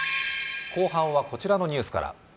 後半はこちらのニュースから。